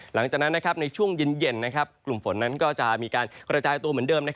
หลังจากนั้นในช่วงเย็นกลุ่มฝนนั้นก็จะมีการกระจายตัวเหมือนเดิม